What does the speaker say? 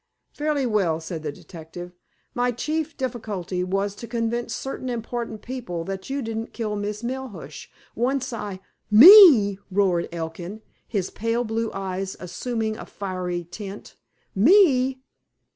"Fairly well," said the detective. "My chief difficulty was to convince certain important people that you didn't kill Miss Melhuish. Once I—" "Me!" roared Elkin, his pale blue eyes assuming a fiery tint. "_Me!